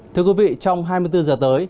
thưa quý vị trong hai mươi bốn giờ tới